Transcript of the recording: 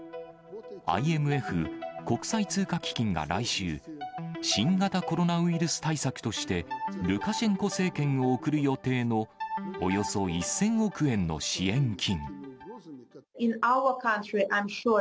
ＩＭＦ・国際通貨基金が来週、新型コロナウイルス対策として、ルカシェンコ政権に送る予定のおよそ１０００億円の支援金。